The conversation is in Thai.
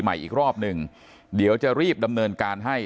อีกรอบหนึ่งเดี๋ยวจะรีบดำเนินการให้